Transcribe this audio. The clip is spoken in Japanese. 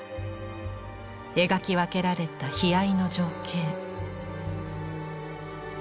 描き分けられた悲哀の情景。